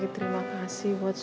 terima kasih dok